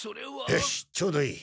よしちょうどいい。